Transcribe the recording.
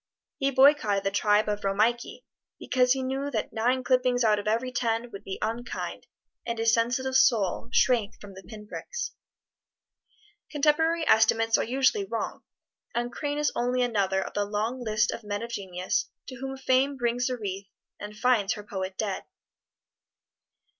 He boycotted the tribe of Romeike, because he knew that nine clippings out of every ten would be unkind, and his sensitive soul shrank from the pin pricks. Contemporary estimates are usually wrong, and Crane is only another of the long list of men of genius to whom Fame brings a wreath and finds her poet dead.